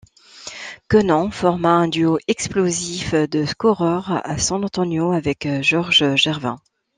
Kenon forma un duo explosif de scoreurs à San Antonio avec George Gervin.